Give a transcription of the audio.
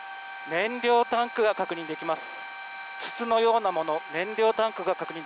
燃料タンクが確認できます。